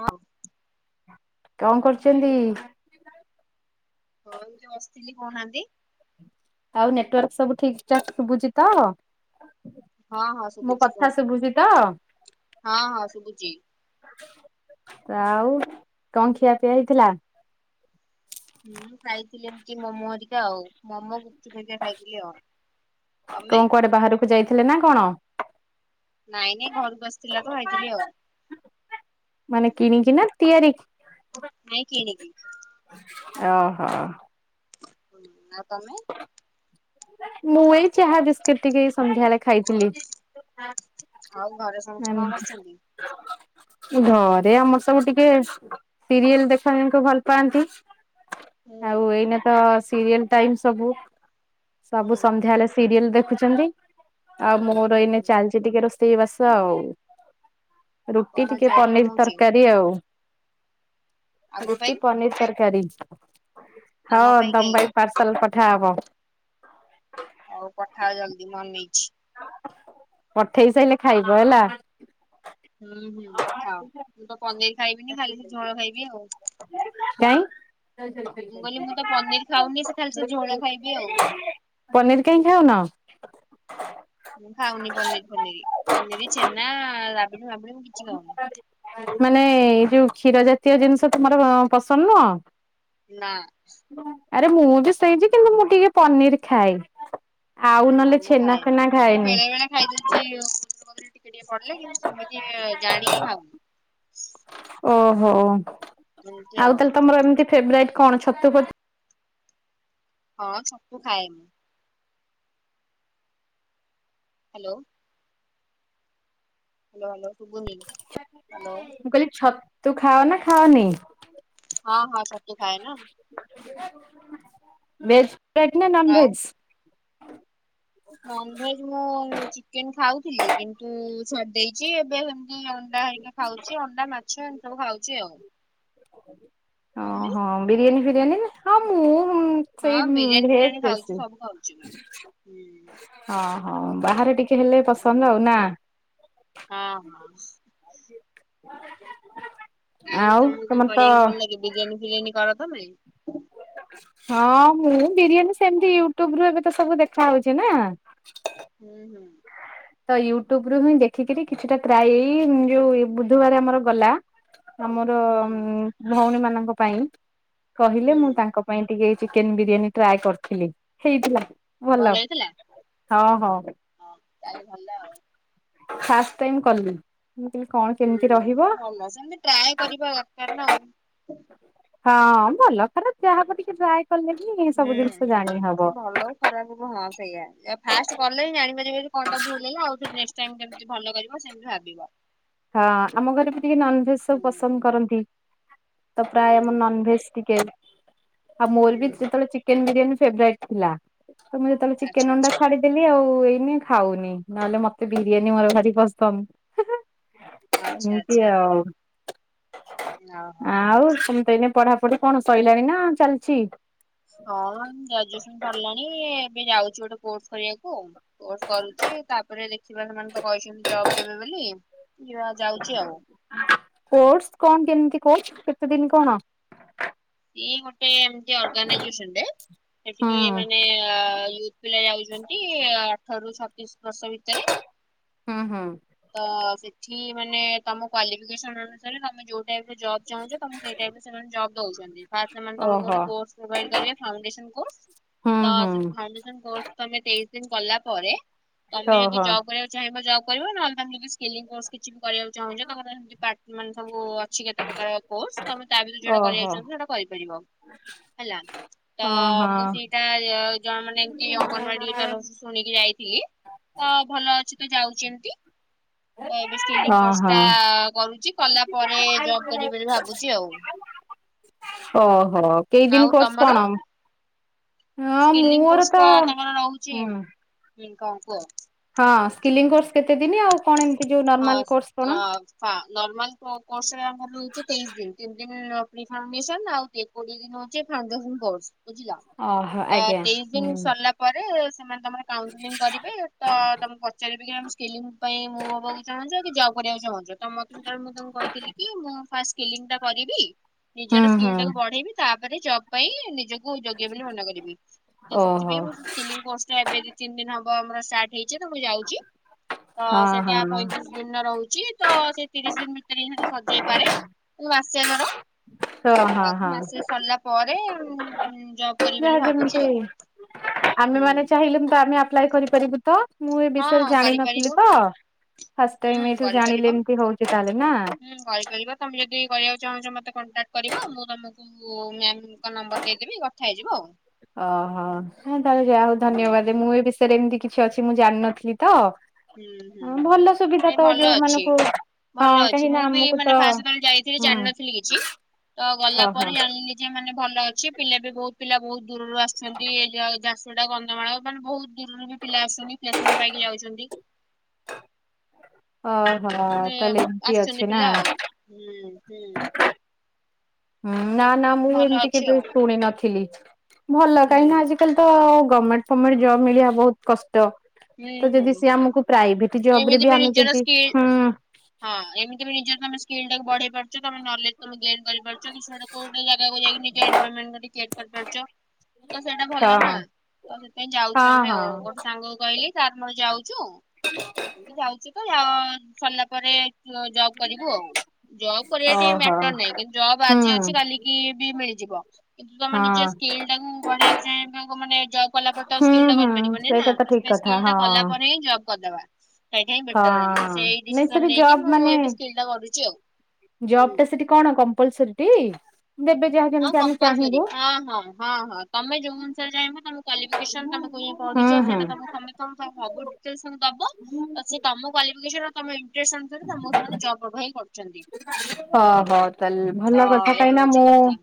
ହଁ। କଣ କରୁଛନ୍ତି? ହଁ ଯଉ ବସିଥିଲି କହୁନାହାନ୍ତି? ଆଉ ନେଟୱାର୍କ ସବୁ ଠିକ ଠାକ ଶୁଭୁଛି ତ? ହଁ ହଁ ମୋ ଶୁଭୁଛି କଥା କୁହନ୍ତୁ ଶୁଭୁଚି ତ? ହଁ ହଁ ଶୁଭୁଛି। ଆଉ କଣ ଖିଆ ପିଆ ହେଇଥିଲା? ହୁଁ ଖାଇଥିଲି ଏମତି ମୋମୋ ହେରିକା ଆଉ ମୋମୋ ଗୁପଚୁପ ହେରିକା ଖାଇଥିଲି ଆଉ। ତମେ କଣ କୁଆଡେ ବାହାରକୁ ଯାଇଥିଲେ ନା କଣ? ନାଇଁ ନାଇଁ ଘରକୁ ଆସିଥିଲା ତ ହେଇଥିଲି ଆଉ। ମାନେ କିଣିକି ନା ତିଆରି? ନାଇଁ କିିନିକି ଓହୋ। ଆଉ ତମେ? ମୁଁ ଏଇ ଚାହା ବିସ୍କୁିଟ ଟିକେ ସନ୍ଧ୍ୟାରେ ଖାଇଥିଲି। ଆଉ ଘରେ ସମସ୍ତେ କଣ କରିଛନ୍ତି? ଘରେ ଆମର ସବୁ ଟିକେ ସିରିଏଲ ଦେଖ ଭଲ ପାଆନ୍ତି। ହୁଁ ଆଉ ଏଇନ ତ ସିରିଏଲ ଟାଇମ ସବୁ ହୁଁ ସବୁ ସନ୍ଧ୍ୟା ହେଲେ ସିରିଏଲ ଦେଖୁଛନ୍ତି ଆଉ ମୋର ହୁଁ ଏଇନେ ହୁଁ ଚାଲିଚ ଟିକେ ରୋ ରୋଷେଇ ବାସ ଆଉ ରୁଟି କଣ ଆଜି ଟିକେ ଆଇଟମ୍ ପନିର ହଉଛି? ତରକାରୀ ଆଉ। ଆମ ରୁଟି ପାଇଁ ଆଉ ପନିର ତରକାରୀ ଆମ ହଁ ତମ କାଇଁ ପାଇଁ ପାର୍ସେଲ ପଠା ହବ। ହଉ କଥା ଜଲ୍ଦି ମୁଁ ଅନେଇଛି। ପଠେଇ ସାରିଲେ ଖାଇବ ହେଲା। ହୁଁ ହୁଁ ପଥାଅ ମୁଁ ତ ପନିର ଖାଇବିନି ଖାଲି ସେ ଝୋଳ ଖାଇବି ଆଉ। [inaudible] ମୁଁ କହିଲି ମୁଁ ତ ପନିର ଖାଉନି ସେ ଖାଲି ସେ ଝୋଳ ଖାଇବି ଆଉ। ପନିର କାହିଁ ଖାଉନ? ମୁଁ ଖାଉନି ପନିର ମଣ ମୁ କିଛି କାଉନି। ମାନେ ଏଇ ଯୋଉ କ୍ଷୀର ଜାତୀୟ ଜିନିଷ ତମର ପସନ୍ଦ ନୁହଁ? ନା। ଆରେ ମୁଁ ବି ସେଇଛି କିନ୍ତୁ ମୁଁ ଟିକେ ପନିର ଖାଏ। ଆଉ ନା ନହେଲେ ମୁଁ ଛେନା ଖାଏନି ଫେନା ଏମିତି ଖାଏନି। ବେଳେ ବେଳେ ଖାଇଦଉଛି ଟିକେ ଟିକେ ପଡିଲେ କିନ୍ତୁ ସେମିତି ଜାଣିକି ହବ ଓହୋ ଏମିତି ଆଉ ଆଉ ତାହେଲେ ତମର ଏମିତି ଫେବରାଇଟ୍ କଣ ଛତୁପତି? ହଁ ସବୁ ଖାଏ। ହ୍ୟାଲୋ। ହ୍ୟାଲୋ ହ୍ୟାଲୋ ଶୁବୁନି। ମୁଁ କହିଲି ଛତୁ ଖାଅ ନା ଖାଅନି? ହଁ ହଁ ଛତୁ ଖାଏ ନା। ଭେଜ ପେଟ ନା ନନ ଆଉ ଭେଜ? ନନଭେଜ ମୁଁ ଚିକେନ ଖାଉଥିଲି କିନ୍ତୁ ଛାଡ୍ ଦେଇେଇଛି ଏବେ ଅଣ୍ଡା ହେଇକି ଖାଉଛି ଅଣ୍ଡା ମାଛ ଏ ସବୁ ଖାଉଛି ଆଉ। ତମେ ଓହୋ ବିରିୟାନୀ ଫିରିୟାନୀ? ଁ ହଁ ସେଇ ବିରିୟାନୀ ଫିରିୟାନୀ ଭେଜ ଖାଉଛି ବେଶୀ ସବୁ ଖାଉଛି ମୁଁ ହୁଁ ହଁ। ହଁ ବାହାରେ ଟିକେ ହେଲେ ହୁଁ ପସନ୍ଦ ଆଉ ନା। ହ। [inaudible] ଆଉ ତମକୁ କଣ ତମର ତ କରିବାକୁ ଭଲ ଲାଗେ ବିରିୟାନୀ ଫିରିୟାନୀ କର ତମେ? ହଁ ମୁଁ ବିରିୟାନୀ ସେମିତି ୟୁଟ୍ୟୁବ ରୁ ଏବେ ତ ସବୁ ଦେଖା ହଉଛି ନା। ହୁଁ ହୁଁ। ତ ୟୁଟ୍ୟୁବ ରୁ ହିଁ ଦେଖିକରି କିଛିଟା କ୍ରାଇଇ ଯୋଉ ବୁଧବାର ଆମର ଗଲା ଆମର ହୁଁ ଭଉଣୀ ମାନଙ୍କ ପାଇଁ କହିଲେ ହୁଁ ମୁଁ ତାଙ୍କ ପାଇଁ ଟିକେ ଚିକେନ ବିରିୟାନୀ ଟ୍ରାଏ କରିଥିଲି ହେଇଥିଲା। ଭଲ ହେଇଥିଲା? ହଁ। ତାହାଲେ ଭଲ ଆଉ। ଫାଷ୍ଟ ଟାଇମ କଲି। କଣ କେମିତି ରହିବ। ହୁଁ ଭଲ ସେମିତି ଟ୍ରାଏ କରିବା ଦରକାର ନା ଆଉ। ହଁ ଭଲ ଖରା ଯାହା ହବ ଟିକେ ଯା ହୁଁ ହଁ ସେ ଭଲ ହଉ ଖରାପ ହ ହଁ ସେଇଆ ଫାଷ୍ଟ କଲେ ବି ଜାଣିପାରିବ କଣଟା ଭୁଲ ହେଲେ ଆଉ ଥରେ କେମତି ଭଲ କରିବ ସେମିତି ଭାବିବ। ହଁ ଆମ ଘରେ ବି ଟିକେ ନନଭେଜ ସବୁ ହୁଁ ପସନ୍ଦ କରନ୍ତି ତା ହୁଁ ପ୍ରାୟ ଏମ ହୁଁ ନନ ଭେଜ ଟିକେ ଆଉ ମୋର ବି ହୁଁ ଯେତେବେଳେ ଚିକେ ବିରିୟାନୀ ଫେବ୍ରେଟ୍ ଥିଲା। ତ ମୁଁ ଯେତେବେଳେ ଆଚ୍ଛା ଚିକେନ୍ ଅଣ୍ଡା ଆଚ୍ଛା ଛାଡିଦେଲି ଆଉ ଖାଉନି ନହେଲେ ମତେ ବିରିୟାନୀ ମୋର ଭାରି ପସନ୍ଦ। ଆଚ୍ଛା ଏମିତି ଆଚ୍ଛା ଆଉ ଓହୋ। ଆଉ ତମେ ତ ଏଇନ ପଢ଼ାପଢ଼ି କଣ ସଇଲାଣି ନା ଚାଲିଛି। ହଁ ଗ୍ରାଜୁଏସନ୍ ସରିଲାଣି। ଏବେ ଯାଉଛୁ ଗୋଟେ କୋର୍ସ କରିବାକୁ କୋର୍ସ କରୁଛି ତାପରେ ଦେେଖିବା ସେମାନେ ତ କହିଛନ୍ତି ଜବ୍ ଦେବେ ବୋଲି। ଯିବା ଯାଉଛି ଆଉ କୋର୍ସ କଣ କେମିତି କୋର୍ସ କେତେ ଦିନ୍ କଣ? ମାନେ ଏମିତି ଅର୍ଗାନାଇଜେସନ ରେ ହଁ ସେଠି ମାନେ ଅ ୟୁଥ୍ ପିଲା ଯାଉଛନ୍ତି ଅଠର ରୁ ସତ୍ ପଚିଶି ବର୍ଷ ଭିତରେ ହଁ ହଁ। ତ ସେଠି ମାନେ ତମ କ୍ଵାଲି [unintelligible] ଅନୁସାରେ ଯୋଉ ଟାଇପ୍ ର ଜବ୍ ଚାହୁଁଛ ତମେ ସେ ଟାଇପ୍ ସେମାନେ ଜବ୍ ଦଉଛନ୍ତି ଫାର୍ଷ୍ଟ [unintelligible] ଓହୋ [unintelligible] ପ୍ରୋଭାଇଡ୍ କରେ ଫାଉଣ୍ଡେସନ କୁ ହୁଁ ତ ହୁଁ ଫାଉଣ୍ଡେସନ [unintelligible] କଂପ୍ଲିଟ୍ କଲା ପରେ ତମେ ଯଦି ଓହୋ ଜବ୍ କରିବାକୁ ଚାହିଁବ ଜବ୍ କରିବ ନହେଲେ [unintelligible] କରିବାକୁ ଚାହୁଁଛ ତାଙ୍କର ସେମିତି ମାନେ ସବୁ ଅଛି କେତେ ପ୍ରକାର କୋର୍ସ ତମେ ତା ଭିତରୁ ଯୋଉଟା କରିବାକୁ ଓହୋ। ଚାହୁଁଛ ସେଇଟା କରି [unintelligible] ହେଲା। ତ ଓହୋ ମୁଁ ସେଇଟା ଜଣ ମାନେ ଏମିତି ଅଙ୍ଗନବାଡ଼ି ତର ଶୁଣିକି ଯାଇଥିଲି। ତ ଭଲ ଅଛି ତୁ ଯାଉଛି ଏମତି। ଏବେ ସ୍କିଲିନ୍ଗ ଓହୋ କୋର୍ଷ କରୁଛି କଲା ପରେ ଜବ କରିବି ବୋଲି ଭାବୁଛି ଆଉ ଓହୋଃ କେଇ ଦିନି କୋର୍ଷ କଣ? ହଁ ସ୍କିଲିନ୍ଗ ମୋର କୋର୍ସ୍ ଟା ତ ତାଙ୍କର ରହୁଛି ହୁଁ [unintelligible] ହଁ ସ୍କିଲିଂ କୋର୍ସ କେତେ ଦିନି ଆଉ କଣ ଏମି ହଁ ଆଁ ନର୍ମାଲ କୋର୍ସ୍ ରେ ଆମର ରହିଛି ତେଇଶି ଦିନ ତିନ ଦିନ [unintelligible] ବୁଝିଲ ଓହୋ ଆଜ୍ଞା ତେଇଶି ଦିନ୍ ହୁଁ ସରିଲା ପରେ ସେମାନେ ତମର କାଉନସିଲିଂ କରିବେ ତମେ ପଚାରିବେ ସ୍କିଲିଂ ପାଇଁ ମୁଁ ହେବା ଚାହୁଁଛ କି ଜବ କରିବାକୁ ଚାହୁଁଛ ମତେ ସେତେବେଳେ ମୁଁ ତ କହିଥିଲି କି ମୁଁ ଫାଷ୍ଟ୍ କହିଥିଲି କି ସ୍କିଲିଂ ଟା କରିବି। ହୁଁ ନିଜର ହୁଁ ସ୍କିଲ୍ ଟା କୁ ବଢେଇବି ତାପରେ ଜବ ପାଇଁ ନିଜ କୁ ଯୋଗ୍ୟ ବୋଲି ମନେ କରିବି ତ ଓହୋ ସେଥିପାଇଁ ମୁଁ ସ୍କ୍ରିଲିଂ କ୍ରୋର୍ସ୍ ଏବେ ତିନି ଦିନ ହବ ଆମର ଷ୍ଟା ହେଇଛି ତ ମୁଁ ଯାଉଛି ତ ହଁ ସେଇଟା ହଁ ପଇଁତିରିଶ ଦିନ ରହୁଛି ତ ସେ ତିରିଶ ଦିନ ଭିତରେ ସେଟା ସରିଯାଇ ପାରେ [unintelligible] କର। ତ ହଁ ଘର ହଁ ମାସେ ସରିଲା ପରେ ଜବ କରିବି ବୋଲି ଯାହା ଭାବୁଛି ଯେମତି ଆଉ। ଆମେ ହୁଁ ମାନେ ଚାହିଁଲୁ ତ ଆମେ ଆପ୍ଲାଏ କରିପାରିବୁ। ତ ମୁଁ ଏ ହଁ ବିଷୟରେ କରିପାରିବ ଜାଣିନଥିଲି ତ ଫାଷ୍ଟ ହୁଁ ଟାଇମ ଏଇଠୁ ଜାଣିଲେ କରିପାରିବ ଏମିତି ହଉଛି ତାହେଲେ ନା ହୁଁ କରିପାରିବ ତମେ ଯଦି କରିବା ଚାହୁଁଛ ମତେ କଣ୍ଟାକ୍ଟ କରିବ ମୁଁ ତମକୁ ମ୍ୟାମ୍ ଅ ହୋ ତାହେଲେ ଯା ହଉ ହୁଁ ଧନ୍ୟବାଦ ମୁଁ ଏଇ ବିଷ [unintelligible] ଏମିତି କିଛି ଅଛି ମୁଁ ଜାଣିନଥିଲି ତ ହୁଁ ହୁଁ ହୁଁ ଭଲ ସୁବିଧା ନାଇଁ ତ ଭଲ ଯୋଉ ଅଛି। ମାନଙ୍କୁ ହଁ ଭଲ ଅଛି କାହିଁକି ନା ମୁଁ ବି ଆମକୁ ତ ମାନେ ଫାଷ୍ଟ୍ ଯେତେବେଳେ ଯାଇଥିଲି ହୁଁ ଜାଣିନଥିଲି କିଛି ତ ଗଲା ଓହୋ ପରେ ଜାଣିଲି ଯେ ମାନେ ଭଲ ଅଛି ପିଲା ବି ବହୁତ୍ ପିଲା ବହୁତ୍ ଦୂରରୁ ଆସୁଛନ୍ତି ଏ ଝାରସୁଗୁଡ଼ା କନ୍ଧମାଳ ମାନେ ବହୁତ୍ ଦୂରରୁ ପିଲା ଆସୁଛନ୍ତି ପ୍ଲେସମେଣ୍ଟ୍ ପାଇକି ଯାଉଛନ୍ତି। ଓହୋ ମାନେ ତାହେଲେ ଏମିତି ଆସିଛନ୍ତି ଅଛି ନା ପିଲା ଆଉ ହୁଁ ହୁଁ। ହୁଁ ନା ନା ମୁଁ ଭଲ ଏମିତି ଅଛି କେବେ ଆଉ ଶୁଣି ନଥିଲି ଭଲ ହୁଁ କାହିଁକି ନା ଆଜିିକାଲି ତ ଗମେଣ୍ଟ୍ ଫମେଣ୍ଟ୍ ଜବ୍ ମିଳିବା ବହୁତ୍ କ ତ ହୁଁ ତ ହୁଁ ଯଦି ସେ ହୁଁ ଆମକୁ ପ୍ରାଇଭେଟ୍ ଜବ ରେ ଏମିତି ବି ଆମେ ନିଜର ଯଦି ସ୍କିଲ୍ ହୁଁ। ହଁ ଏମିତି ବି ନିଜ ସ୍କିଲଟା ବଢେଇ ପାରୁଛ ତମେ ନଲେଜ ତମେ ଗେନ୍ କରିପାରୁଛ କୋଉ ଗୋଟେ ଜାଗା ଯାଇକ ନିଜ ଏନଭା ତ ସେଇଟା ହଁ ଭଲ ନା ହଁ ତ ସେଥିାଇଁ ଯାଉଛୁ ଆମେ ଆଉ ହଁ। ଗୋଟେ ସାଙ୍ଗକୁ କହିଲି ତାର ମୋର ଯାଉଛୁ ଏମତି ଯାଉଛୁ ତ ସରିଲା ପରେ ଜବ୍ କରିବୁ ଆଉ ଜବ୍ କରିବା ଟିକ ଓହୋ ମ୍ୟାଟର ନାହିଁ କିନ୍ତୁ ଜବ୍ ହୁଁ ଆଜି ଅଛି କାଲିକି ବି ମିଳିବ। ଯିବ କିନ୍ତୁ ତମେ ନିଜ ହଁ ସ୍କିଲ୍ ଟାକୁୁ ବଢେଇିବାକୁ ଚାହିଁବାକୁ ମାନେ ଜବ୍ କଲା ପରେ ତ ହୁଁ ସ୍କିଲ୍ ଟା ହୁଁ କରିପାରିବନି ନା ସେଇଟା ତ ଠିକ ସେ କଥା ସ୍କିଲ୍ ଟା ହଁ। କଲା ପରେ ହିଁ ଜବ୍ କରିଦବା ସୋଇଟା ହିଁ ବେଟର ତ ହଁ ସେଇ ନାଇଁ ସେଠି ଡିସିସନ ନେଇକି ମୁଁ ମୁଁ ମାନେ ଏବେ ସ୍କିଲ୍ ଟା କରୁଛି ଆଉ ଜବ୍ ହୁଁ। ଟା ସେଠି କଣ କମ୍ପଲସରୀ ଟି ଦେବେ ଯାହା ହଁଲ ଯେମିତି ଆମେ ଚାହିଁବୁ ହଁ ହଁ ହଁ ହଁ ତମେ ଯୋଉ ଅନୁସାରେ ଚାହିବ ତମ କ୍ୱାଲିଫିକେସନ ତମକୁ ତୁମେ ହୁଁ ପଢୁଛ ହୁଁ। ସେଟା ତ ସମେତ ସବୁ ସମେସନ ଦବ ତମ କ୍ୱାଲିଫିକେସନ ଆ ତମ ଇଣ୍ଟରେଷ୍ଟ ଅନୁସାରେ ତମକୁ ସେମାନେ ଜବ୍ ପ୍ରୋଭାଇଡ କରିବେ ଓହୋ ତାହଲେ ତ ଭଲ କଥା ଏ କ ନା ହଉଛି ମୁଁ କଥା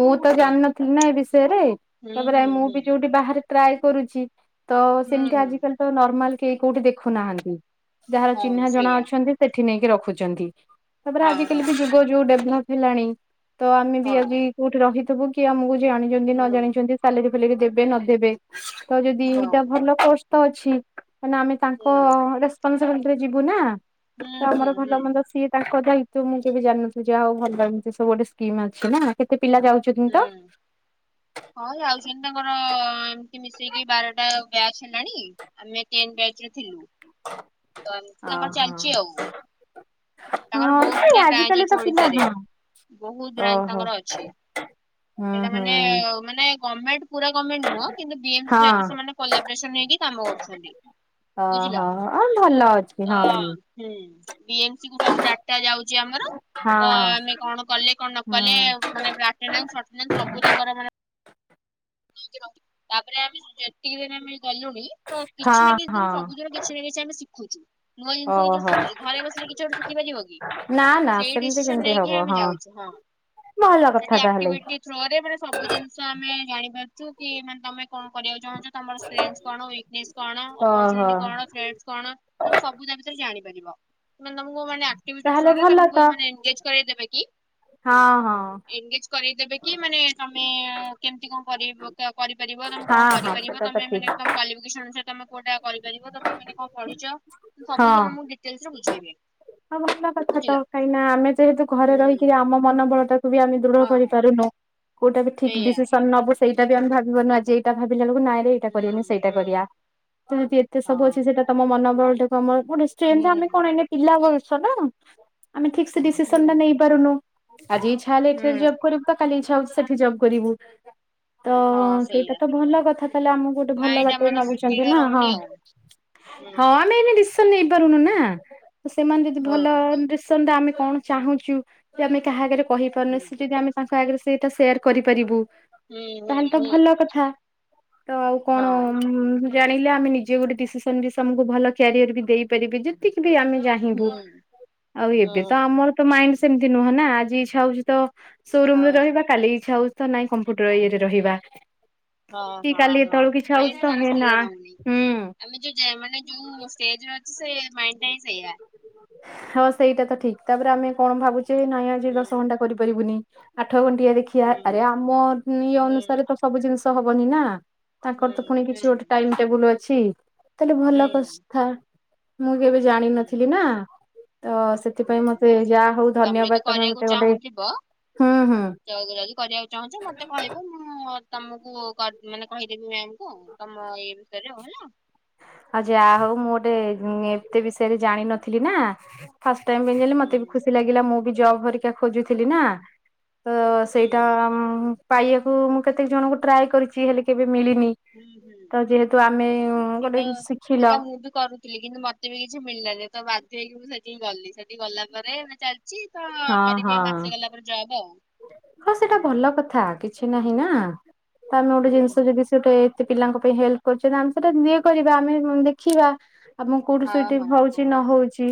ମୁଁ ତ ହୁଁ ଜାଣିନଥିଲି ନା ଏ ବିଷୟରେ ହୁଁ ତାପରେ ଆ ହୁଁ ମୁଁ ହୁଁ। ବି ଯୋଉଠି ବାହାରେ ଟ୍ରାଏ କରୁଛି ତ ହୁଁ ସେମିତି ହୁଁ ଆଜିିକାଲି ତ ନର୍ମାଲ କେହି କୋଉଠି ଦେଖୁନାହାନ୍ତି ଯାହାର ହଁ ଚିହ୍ନା ଜଣା ସେଇଆ ଅଛନ୍ତି ସେଠି ନେଇକି ରଖୁଛନ୍ତି ତାପରେ ହଁ ଆଜିକାଲି ବି ଯୁଗ ଯୋଉ ଡେଭଲପ ହେଲାଣି ତ ଆମେ ବି ହଁ ଆଜି କୋଉଠି ରହିଥିବୁ କି ଆମକୁ ଜାଣିଛନ୍ତି ନ ହଁ ଜାଣିଛନ୍ତି ସାଲେରୀ ଦେବେ ନଦବେ ତ ଯଦି ହୁଁ ଏଇଟା ହଁ। ଭଲ ର୍କୋସ ତ ଅଛି। ମ ଆମେ ତାଙ୍କ ହୁଁ ରେସପନସିବିଲିଟିରେ ଯିବୁ ନା ତ ହୁଁ ଆମର ହୁଁ ଭଲ ମନ୍ଦ ସିଏ କୁ ମୁଁ କେବେ ଜାଣିନଥିଲି ଯାହା ହଉ ଭଲ ଏମିତି ସବୁ ଗୋଟିଏ ସ୍କିମ୍ ଅଛି ନା କେତ ହୁଁ ହଉ ଯାଉ ତାଙ୍କର ଏମତି ମିଶେଇକି ବାରଟା ବ୍ୟାଚ ହେଲାଣି ଆମେ ବ୍ୟାଚ ରେ ଥିଲୁ ମ ନ ଓହୋ ଚାଲିଚ ଆଉ ତାଙ୍କର ହଁ ବହୁତ ଯେ ଗୁଡଆ ବ୍ରାଞ୍ଚ ଆଜିକାଲି ତ ଅଛି ପିଲା ଓଡିଶ ାରେ ହଁ ବହୁତ ବ୍ରାଞ୍ଚ ଓହୋ ତାଙ୍କର ଅଛି। ହୁଁ ସେଟା ହୁଁ ମାନେ ମାନେ ଗଭର୍ଣ୍ଣମେଣ୍ଟ ପୁରା ଗଣମେଣ୍ଟ ନୁହଁ କିନ୍ତୁ ବି ଏମସି ସତ ହଁ ସେମାନେ କଲାବରେସନ ହେଇକି କାମ କରୁଛନ୍ତି। ବୁଝିଲ ଓହୋ ଆଉ ଭଲ ଅଛି ତ ହଁ ମୁଁ ହୁଁ ବି ଏମ ସବୁ ଆଠଟା ଯାଉଛି ଆମର ତ ହଁ ଆମେ କଣ କଲେ କଣ ନକଲେ ହୁଁ ମାନେ ଲଟନାଟନା ସବୁ ତାଙ୍କର ମାନେ ନେଇକି ରହୁଛି। ତାପରେ ଆମେ ଯେତିକି ଦିନ ଆମେ ଗଲୁଣି ତ କିଛି ହଁ ନା କିଛି ହଁ ଦିନ ସବୁଦିନ କିଛି ନା କିଛି ଆମେ ଶଖଛି ନୂଆ ଜିନିଷ କିଛି ଓହୋ ଶିଖୁଛିି ଘରେ ବସିଲେ କିଛି ଶଖିାରିବ କି ନା ନା ସେଇ ସେମିତି ଡିସିସନ କେମିତି ନେଇକିଁ ହବ ଆମେ ଯାଉଛୁ ହଁ ଭଲ କଥା ତାହେଲେ ସେଠରୋନେ ସବୁ ଜିନିଷ ଆମେ ଜାଣିପାରୁଛୁ କିାନ ତମେ କଣ କରିବାକୁ ଚାହୁଁଛ ତମର କଣ େସ୍ କଣ ଓହୋ ଅପଚୁି କଣ ସବୁ ତା ଭିତରେ ଜାଣିପାରିବ ମାନେ ତମକୁ ମାନେ ତାହେଲେ ଆକ୍ଟିଥୋରେ ଭଲ ତ ତମକୁାନେ ଏନଗେଜ୍ କରେଇ ଦେବେ କି? ହଁ ହଁ ଦେବେ କି ମାନେ। ତୁମେ କେମିତି କଣ କର କରିପାରିବ ତୁମେ କଣ ହଁ ହଁ କରିପାରିବ ସେଟା ତ ତୁମେ ମାନେ ଠିକ ତମ କ୍ୱାଲିଫିକେସନ ଅନୁସାରେ ତୁମେ କୋଉଟା କରିପାରିବ ତମେ ମାନ କଣ ପଢିଛ ସବୁ ଜ ମୁଁ ଡିଟେଲସ ରେ ବୁଝେଇବି। ମ କଥା ତ କାହିଁକି ନା ଆମେ ଯେହେତୁ ଘରେ ହୁଁ ରହିକିରି ଆମ ମନୋବଳଟା ବି ଆମେ ଦୃଢ ହଁ କରିପାରୁନୁ କୋଉଟା ବି ଠିକ ସେଇଆ। ଡିସିସନ ନବ ସେଇଟା ବି ଆେ ଭାବିବାରୁନୁ ଆଜି ଏଇଟା ଭାବିଲା ବଳ ନାଇଁରେ ଏଇଟା ହୁଁ କରିବାିବାନି ସେଇଟା ହୁଁ କରିବା ତ ଯଦି ଏତେ ସବୁ ହଁ। ଅଛି ସେଇଟା ତମ ମନୋବଳାକୁ ଆମର ହୁଁ ଗୋଟେେନ୍ ଆମେ କଣ ଏ ପିଲା ବଛ ନା ଆମେ ଠିକ ସେ ଡିସିସନ ହୁଁ ଟା ନେଇ ପାରୁନୁ [inaudible] ଆଜି ଇଚ୍ଛା ହେଲେ ଏଠ ହୁଁ ଜବ କରିବୁ ତ କାଲି ଇଚଛା ହଉ ସେଠି ଜବ କରିବୁ। ତ ହଁ ସେଇଟା ସେଇଆ ତ ଭଲ କଥା ତାହଲେ ଆମକୁ ଗୋଟେ ଭଲ ମାଇଣ୍ଡ ବାଟରେ ଆମର ଭାବୁଛନ୍ତି ସ୍ଥିର ନା ହଁ? ରହୁନି ଆଉ। ହୁଁ ହଁ ଆମେ ଏ ସନ ନେଇ ପାରୁନୁ ନା ତ ସେମାନେ ଯଦି ହଁ ଭଲ ଆମେ କଣ ଚାହୁଁଛୁ ଆମେ କାହା ଆଗରେ କହିପାରୁନେ ହୁଁ ସେ ଯଦି ଆମେ ତାଙ୍କ ଆଗରେ? ସେଇଟା ସେୟାର କରିପାରିବୁ। ହୁଁ ହୁଁ ତାହେଲେ ତ ହୁଁ ଭଲ କଥା ତ ଆଉ କଣ? ହଁ ଜାଣିଲେ ଆମେ ନିଜେ ଗୋଟେ ଡିସିସନ ବି ଆକୁ ଭଲ କ୍ୟାରିଅର ବି ଦେଇପାରିବେ ଯେତିକି ବି ଆମେ ଚାହିଁବୁ। ହୁଁ ଆଉ ହୁଁ ଏବେ ତ ଆମର ତ ହୁଁ ମାଇଣ୍ଡ ସେମିତି ନୁହଁ ନା। ଆଜି ଇଚ୍ଛା ହଉଚି ତ ସୋରୁମ୍ ରେ ହଁ ରହିବା। କାଲି ଇଚ୍ଛା ହଉଛି ତ ନାଇଁ କମ୍ପ୍ୟୁଟର ଇଏରେ ରହିବା। ହଁ, କି ହଁ, କାଲି ହଁ ଏତେବେଳକୁ ଇଚ୍ଛା ହଉଛି ମାଇଣ୍ଡ ତ ତାର ହେ ନା ସ୍ଥିର ରହୁନି। ହୁଁ ଆମେ ଯେ ଯେ ମାନେ ଯୋଉ ଷ୍ଟେଜ୍ ର ଅଛ ସେ ମାଇଣ୍ଡ ଟା ହିଁ ସେୟା। ହଁ ସେଇଟା ତ ଠିକ। ତାପରେ ଆମେ କଣ ଭାବୁଚେ ନାଇଁ ଆଜି ହୁଁ ଦଶ ଘଣ୍ଟା କରିପାରିବୁନି। ଆଠ ଠ ଘଣ୍ଟିଆ ଦେଖିଆ ହୁଁ ଆରେ ଆମ ଇଏ ହୁଁ ଅନୁସାରେ ତ ସବୁ ଜିନିଷ ହବନି ନା। ହୁଁ ତାଙ୍କର ତ ପୁଣି ହୁଁ କିଛି ଗୋଟେ ଟାଇମ୍ ଟେବୁଲ୍ ଅଛି। ତାହେଲେ ଭଲ ହୁଁ କଥା। ମୁଁ କେବେ ଜାଣିନଥିଲି ହୁଁ ନା। ତ ସେଥିପାଇଁ ମୋତେ ହୁଁ ଯାହା ହଉ ଧନ୍ୟବାଦ ତୋମେ ମୋତେ ଗୋଟେ ହୁଁ ହୁଁ ଜବ୍ ଯଦି କରିବାକୁ ଚାହୁଁଚ ମୋତେ କହିବ। ମୁଁ ତୋମକୁ କର ମାନେ କହିଦେବି ମ୍ୟାାମ୍ କୁ ତୋମ ଇଏ ବିଷୟରେ ହେଲା। ଆଉ ଯାହା ହଉ ମୁଁ ଗୋଟେ ଉଁ, ଏତେ ବିଷୟରେ ଜାଣିନଥିଲି ନା। ଫାଷ୍ ଟିମି ହେଲେ ହୁଁ ମୋତେ ବି ଖୁସି ଲାଗିଲା ମୁଁ ବି ଜବ୍ ଭରିକା ଖୋଜୁଥିଲି ନା। ତ ହୁଁ ସେଇଟା ଉଁ, ପାଇବାକୁ ମୁଁ କେତେ ଜଣଙ୍କୁ ଟ୍ରାଏ କରିଚି। ହେଲେ କେବେ ମିଳିନି, ହୁଁ ତ ଯେହେତୁ ଆମେ ଗୋଟେ ଶିଖିଲ ସେଟା ମୁଁ ବି କରୁଥିଲି କିନ୍ତୁ ମୋତେ ବି କିଛି ମିଳିଲାନି। ତ ବାଧ୍ଯ ହେଇକି ମୁଁ ସେଠିକି ଗଲି। ସେଠି ଗଲା ପରେ ଏବେ ଚାଲ ଚି, ତ ହଁ କରିବି ହଁ। ଆଉ ମାସେ ଗଲା ପରେ ଜବ୍ ଆଉ। ହଁ ହୁଁ ସେଟା ଭଲ କଥା। କିଛି ନାହିଁ ନା। ତ ଆମେ ଗୋଟେ ହୁଁ ଜିନିଷ ହୁଁ ଯଦି ସେ ଗୋଟେ ସେ ପିଲାଙ୍କ ପାଇଁ ହେଲ୍ପ କରୁଚନ୍ତି। ଆମେ ସେଟା ଇଏ କରିବା ଆମେ ଉଁ ଦେଖିବା। ଆମକୁ କୋଉଠି ହଁ ସୁଇଟେବ ହଁ ହଉଛି ହଁ ନ ହଉଛି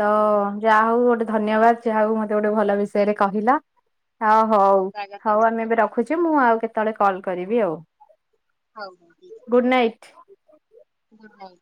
ତ ଯାହା ହଉ ଗୋଟେ ଧନ୍ୟବାଦ ଯାହଉ ମୋତେ ଗୋଟେ ଭଲ ବିଷୟରେ କହିଲ। ହୋ ହଉ, ହଉ ସ୍ୱାଗତମ୍ ଆମେ ଏବେ ରଖୁଛି। ମୁଁ ଆଉ କେତେବେଳେ କଲ୍ କରିବି ଆଉ। ହଉ। Good night. ନାଇ।